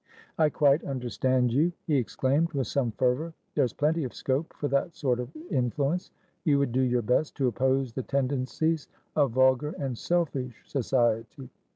"I quite understand you," he exclaimed, with some fervour. "There's plenty of scope for that sort of influence. You would do your best to oppose the tendencies of vulgar and selfish society.